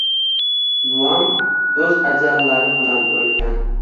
Buvam o‘z ajallari bilan o‘lgan.